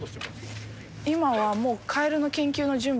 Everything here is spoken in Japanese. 今はもう。